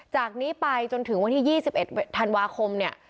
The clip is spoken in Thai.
จากนี้ไปจนถึงวันที่๒๑ธันวาคมเนี่ย